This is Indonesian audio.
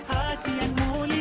anta antuma antun